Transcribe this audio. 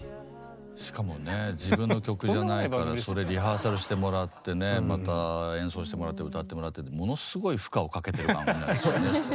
しかもね自分の曲じゃないからそれリハーサルしてもらってねまた演奏してもらって歌ってもらってってものすごい負荷をかけてる番組なんですよね。